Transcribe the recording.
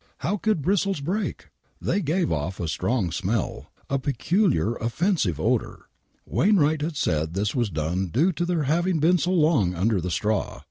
How could bristles break ? They gave off a strong smell. " A peculiar, offensive odor. Wainwright had said this was due to their having been so long under the straw.